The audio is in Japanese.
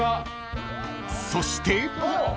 ［そして！］